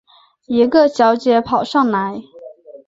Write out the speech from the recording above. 一个小姐跑上来